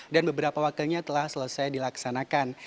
dan beberapa wakilnya telah selesai dilaksanakan